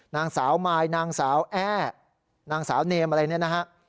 นางสาวมายนางสาวแอ่นางสาวเนมอะไรแบบนี้